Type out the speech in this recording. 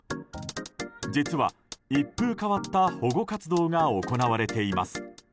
実は、一風変わった保護活動が行われています。